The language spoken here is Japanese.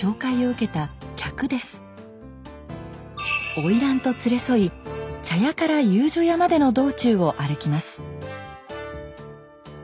花魁と連れ添い茶屋から遊女屋までの道中を歩きます。